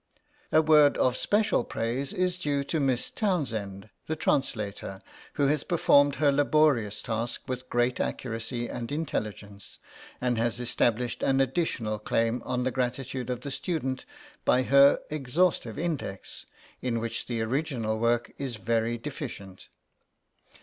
{PREFACE.} A word of special praise is due to Miss Townsend, the translator, who has performed her laborious task with great accuracy and intelligence, and has established an additional claim on the gratitude of the student by her exhaustive Index, in which the original work is very deficient.